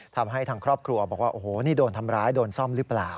ทางครอบครัวบอกว่าโอ้โหนี่โดนทำร้ายโดนซ่อมหรือเปล่า